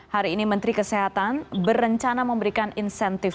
hari ini menteri kesehatan berencana memberikan insentif